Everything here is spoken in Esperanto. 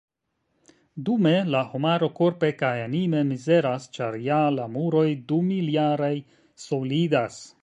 Dume, la homaro korpe kaj anime mizeras ĉar, ja, la muroj dumiljaraj solidas.